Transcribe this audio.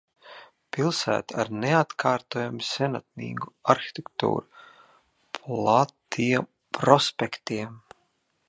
Pilsēta ar neatkārtojamu senatnīgu arhitektūru, platiem prospektiem.